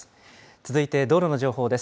続いて道路の情報です。